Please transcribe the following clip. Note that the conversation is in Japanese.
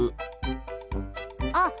あっ！